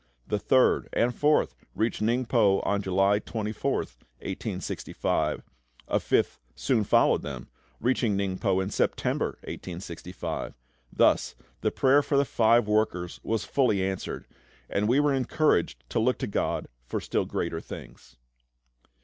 The third and fourth reached Ningpo on July 24th, 1865. A fifth soon followed them, reaching Ningpo in September 1865. Thus the prayer for the five workers was fully answered; and we were encouraged to look to GOD for still greater things.